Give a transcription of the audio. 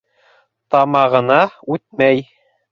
—Тамағына үтмәй...